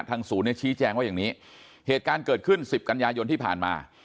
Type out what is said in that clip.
ทางศูนย์ชี้แจงว่าอย่างนี้เหตุการณ์เกิดขึ้น๑๐กัญญายนที่ผ่านมา